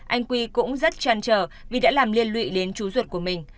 anh quy cũng rất chăn trở vì đã làm liên lụy đến chú ruột của mình